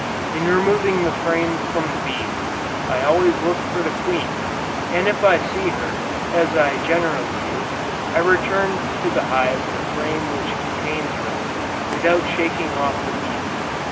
In removing the frames with the bees, I always look for the queen, and if I see her, as I generally do, I return to the hive the frame which contains her, without shaking off the bees.